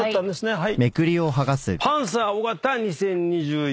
はい。